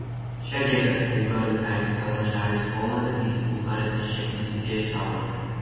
შედეგად ბულგარეთს აეკრძალა ჯარის ყოლა და დიდი ბულგარეთის შექმნის იდეა ჩავარდა.